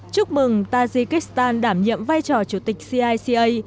chúc mừng tajikistan đảm nhiệm vai trò chủ tịch cica